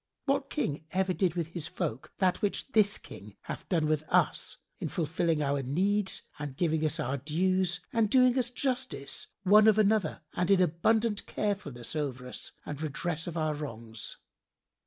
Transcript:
What King did ever with his folk that which this King hath done with us in fulfilling our needs and giving us our dues and doing us justice, one of other, and in abundant carefulness over us and redress of our wrongs?